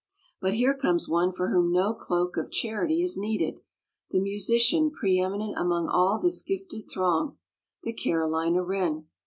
But here comes one for whom no cloak of charity is needed, the musician pre eminent among all this gifted throng, the Carolina wren.